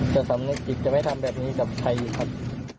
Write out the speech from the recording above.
สำนึกผิดจะไม่ทำแบบนี้กับใครอีกครับ